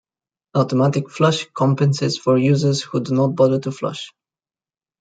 Automatic flush compensates for users who do not bother to flush.